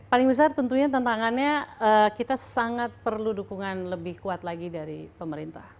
paling besar tentunya tantangannya kita sangat perlu dukungan lebih kuat lagi dari pemerintah